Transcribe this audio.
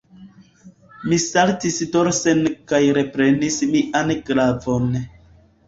Mi saltis dorsen kaj reprenis mian glavon.